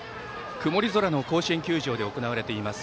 曇り空の甲子園球場で行われています